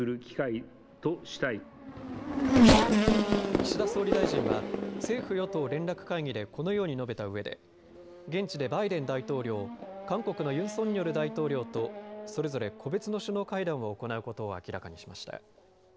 岸田総理大臣は政府与党連絡会議でこのように述べたうえで現地でバイデン大統領、韓国のユン・ソンニョル大統領とそれぞれ個別の首脳会談を行うことを明らかにしました。